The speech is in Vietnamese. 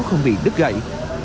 không bị đứt gãy